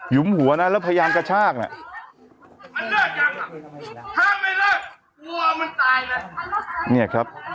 หยุมหัวนะแล้วพยายามกระชากเนี่ย